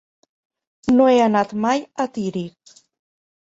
No he anat mai a Tírig.